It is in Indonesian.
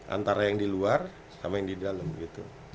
antara yang di luar sama yang di dalam gitu